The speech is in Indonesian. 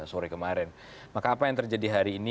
sore kemarin maka apa yang terjadi hari ini